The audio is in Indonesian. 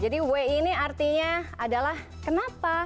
jadi we ini artinya adalah kenapa